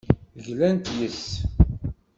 Glant yes-s.